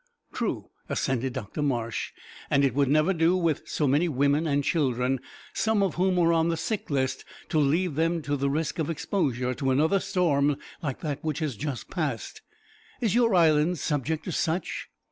"True," assented Dr Marsh, "and it would never do with so many women and children, some of whom are on the sick list, to leave them to the risk of exposure to another storm like that which has just passed. Is your island subject to such?"